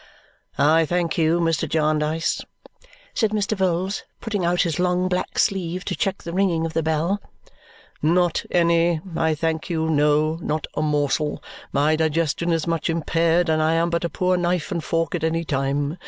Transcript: "I thank you, Mr. Jarndyce," said Mr. Vholes, putting out his long black sleeve to check the ringing of the bell, "not any. I thank you, no, not a morsel. My digestion is much impaired, and I am but a poor knife and fork at any time.